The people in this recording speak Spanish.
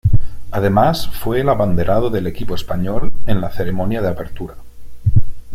Además fue el abanderado del equipo español en la ceremonia de apertura.